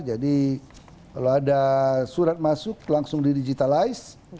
jadi kalau ada surat masuk langsung di digitalize